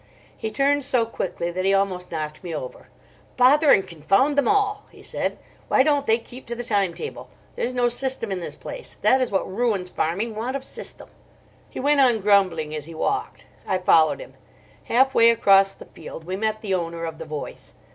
He turned so quickly that he almost knocked me over. "Bother and confound them all!" he said. "Why don't they keep to the time table? There's no system in this place. That is what ruins farming—want of system." He went on grumbling as he walked. I followed him. Halfway across the field we met the owner of the voice.